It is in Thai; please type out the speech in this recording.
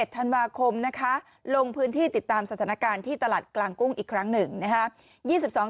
๒๑ธันวาคมโรงพื้นที่ติดตามสถานการณ์ที่ตลาดกลางกุ้งอีกครั้งหนึ่ง